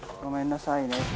ごめんなさいね。